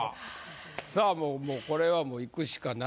さあもうもうこれはもういくしかないですが。